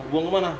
buang ke mana